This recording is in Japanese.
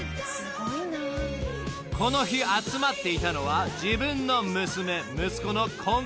［この日集まっていたのは自分の］